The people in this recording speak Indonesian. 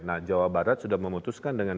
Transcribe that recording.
nah jawa barat sudah memutuskan dengan